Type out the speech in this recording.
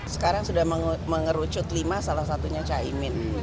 sekarang sudah mengerucut lima salah satunya caimin